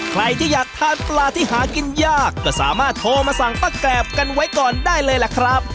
ใครที่อยากทานปลาที่หากินยากก็สามารถโทรมาสั่งป้าแกรบกันไว้ก่อนได้เลยล่ะครับ